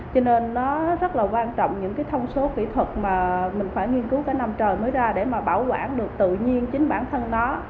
cho nên nó rất là quan trọng những cái thông số kỹ thuật mà mình phải nghiên cứu cả năm trời mới ra để mà bảo quản được tự nhiên chính bản thân nó